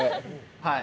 はい。